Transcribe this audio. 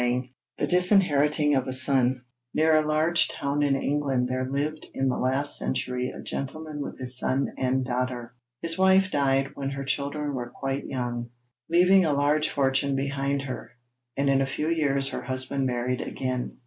] THE DISINHERITING OF A SON Near a large town in England there lived in the last century a gentleman with his son and daughter. His wife died when her children were quite young, leaving a large fortune behind her, and in a few years her husband married again.